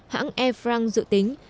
hãng air france dự tính